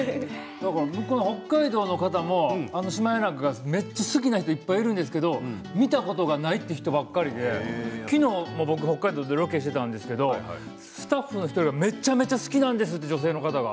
北海道の方もめっちゃ好きな人がいっぱいいるんですけれど見たことがないという人ばかりで昨日、僕、北海道でロケをしていたんですけれどスタッフの１人がめちゃめちゃ好きなんです！と言っていたんです、女性の方が。